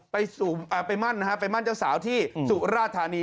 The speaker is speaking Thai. ไปมั่นเจ้าสาวที่สู่ราชฐานี